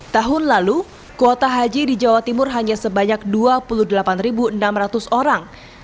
tahun lalu kuota haji di jawa timur hanya sebanyak dua puluh delapan enam ratus orang